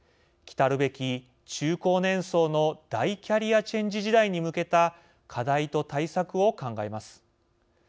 きたるべき中高年層の大キャリアチェンジ時代に向けた、課題と対策を考えます。